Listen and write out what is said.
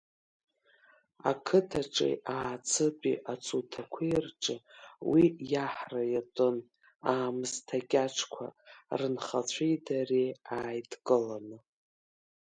Ақыҭаҿи аацытәи ацуҭақәеи рҿы уи иаҳра иатәын аамысҭа кьаҿқәа рынхацәеи дареи ааидкыланы…